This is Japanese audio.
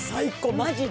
マジで！